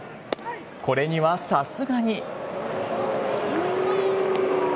これにはさすがに。